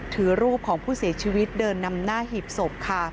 ถือรูปของผู้เสียชีวิตเดินนำหน้าหีบศพค่ะ